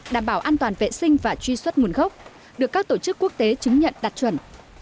đảm bảo an toàn vệ sinh và truy xuất nguồn gốc được các tổ chức quốc tế chứng nhận đạt chuẩn